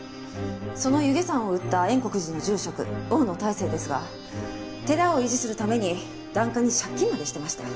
その弓削山を売った円刻寺の住職大野泰生ですが寺を維持するために檀家に借金までしてました。